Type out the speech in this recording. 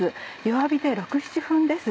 弱火で６７分です。